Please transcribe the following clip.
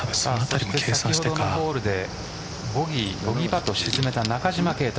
先ほどのホールでボギーパットを沈めた中島啓太